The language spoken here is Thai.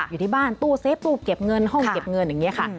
อยู่ที่บ้านตู้เซฟตู้เก็บเงินห้องเก็บเงินอย่างนี้ค่ะ